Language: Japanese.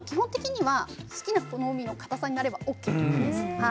基本的には好みのかたさになればＯＫです。